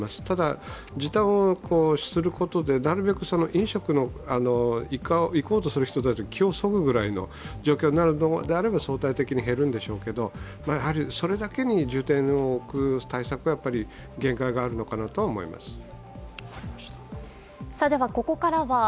ただ、時短をすることでなるべく飲食に行こうとする人たちの気をそぐぐらいの状況になるなら、相対的に減るでしょうが、やはりそれだけに重点を置く対策は限界があるのかなとは思います。